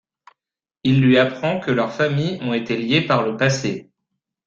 Il lui apprend que leurs familles ont été liées par le passé.